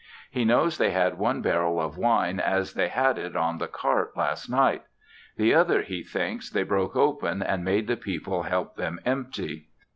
He knows they had one barrel of wine as they had it on the cart last night; the other he thinks they broke open and made the people help them empty.